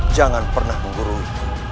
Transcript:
jangan pernah menggurungi